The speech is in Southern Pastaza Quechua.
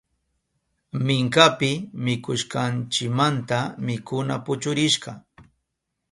Minkapi mikushkanchimanta mikuna puchurishka.